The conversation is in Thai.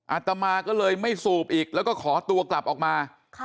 อาตมาก็เลยไม่สูบอีกแล้วก็ขอตัวกลับออกมา